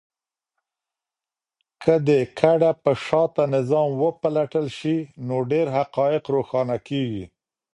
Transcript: که د کډه په شاته نظام وپلټل سي، نو ډېر حقایق روښانه کيږي.